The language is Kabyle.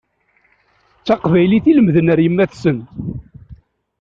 D taqbaylit i lemden ar yemma-tsen.